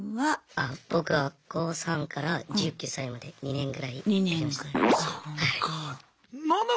あ僕は高３から１９歳まで２年ぐらいやりました。